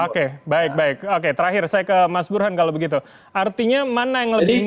oke baik baik oke terakhir saya ke mas burhan kalau begitu artinya mana yang lebih